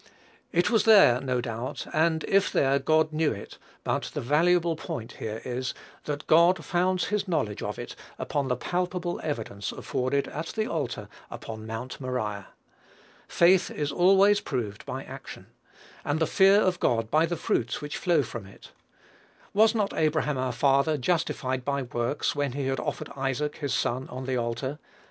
It was there, no doubt; and, if there, God knew it; but the valuable point here is, that God founds his knowledge of it upon the palpable evidence afforded at the altar upon Mount Moriah. Faith is always proved by action, and the fear of God by the fruits which flow from it. "Was not Abraham our father justified by works when he had offered Isaac his son on the altar?"